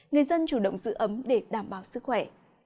người dân chủ động giữ ấm để đảm bảo sức khỏe